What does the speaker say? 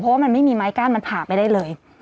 เพราะว่ามันไม่มีไม้กั้นมันผ่าไปได้เลย